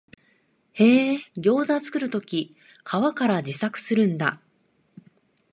へえ、ギョウザ作るとき皮から自作するんだ